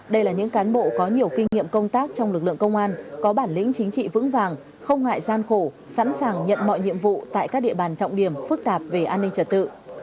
đây là những cán bộ có nhiều kinh nghiệm công tác trong lực lượng công an có bản lĩnh chính trị vững vàng không ngại gian khổ sẵn sàng nhận mọi nhiệm vụ tại các địa bàn trọng điểm phức tạp về an ninh trật tự